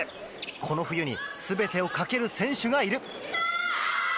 この冬に全てをかける選手がいる。